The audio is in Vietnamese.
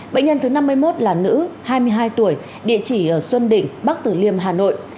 bệnh nhân thứ năm mươi một là nữ hai mươi hai tuổi địa chỉ ở xuân đỉnh bắc tử liêm hà nội